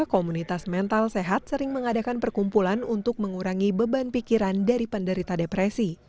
komunitas mental sehat sering mengadakan perkumpulan untuk mengurangi beban pikiran dari penderita depresi